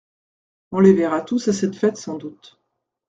On les verra tous à cette fête sans doute.